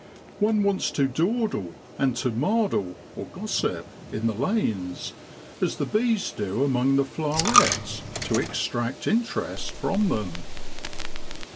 One wants to dawdle and to 'mardle' (gos sip) in the lanes, as the bees do among the flowerets, to extract interest from them.